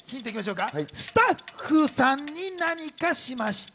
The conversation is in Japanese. スタッフさんに何かしました。